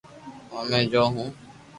او مي جو ھون